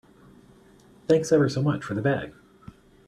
Thanks ever so much for the bag.